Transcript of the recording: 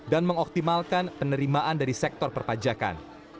dan mengoptimalkan penerimaan dari sektor perpajakan